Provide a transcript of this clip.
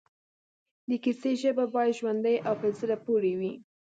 د کیسې ژبه باید ژوندۍ او پر زړه پورې وي